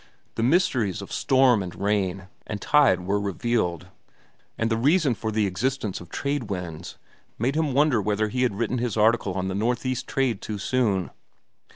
The mysteries of storm, and rain, and tide were revealed, and the reason for the existence of trade winds made him wonder whether he had written his article on the northeast trade too soon.